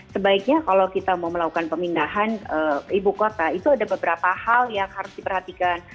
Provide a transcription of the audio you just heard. sebaiknya kalau kita mau melakukan pemindahan ibu kota itu ada beberapa hal yang harus diperhatikan